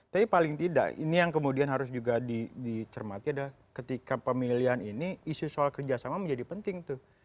tapi paling tidak ini yang kemudian harus juga dicermati adalah ketika pemilihan ini isu soal kerjasama menjadi penting tuh